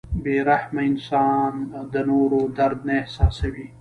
• بې رحمه انسان د نورو درد نه احساسوي.